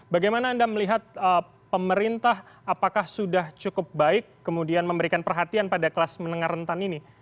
bagaimana anda melihat pemerintah apakah sudah cukup baik kemudian memberikan perhatian pada kelas menengah rentan ini